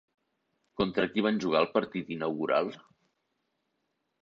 Contra qui van jugar el partit inaugural?